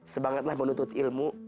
semangatlah menuntut ilmu